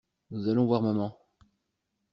Nous allons voir Maman!